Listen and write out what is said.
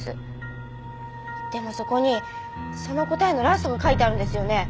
でもそこにその答えのラストが書いてあるんですよね。